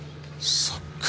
そっか。